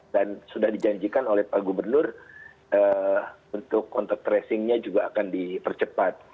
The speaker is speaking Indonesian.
dan sudah dijanjikan oleh pak gubernur untuk kontak tracingnya juga akan dipercepat